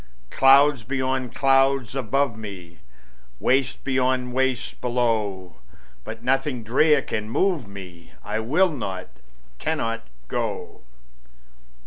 Clouds beyond clouds above me, Wastes beyond wastes below; But nothing drear can move me; I will not, cannot go.